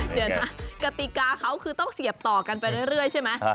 เดี๋ยวนะกติกาเขาคือต้องเสียบต่อกันไปเรื่อยใช่ไหม